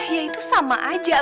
ya itu sama aja